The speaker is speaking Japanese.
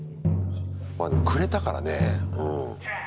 まあ、でもくれたからねぇ、うん。